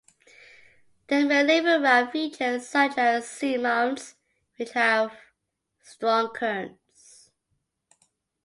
They may live around features, such as seamounts, which have strong currents.